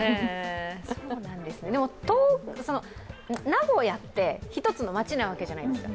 名古屋って一つの街なわけじゃないですか。